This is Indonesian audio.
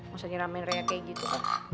gak usah nyeramain raya kayak gitu